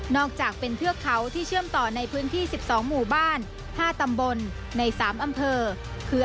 อกจากเป็นเทือกเขาที่เชื่อมต่อในพื้นที่๑๒หมู่บ้าน๕ตำบลใน๓อำเภอ